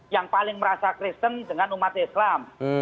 yang paling merasa kristen dengan umat islam